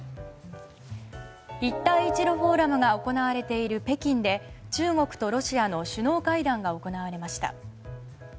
一帯一路フォーラムが行われている北京で中国とロシアの首脳会談が行われました。